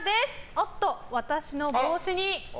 おっと、私の帽子に。